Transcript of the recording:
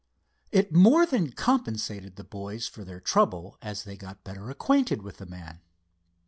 It more than compensated the boys for their trouble as they got better acquainted with the man.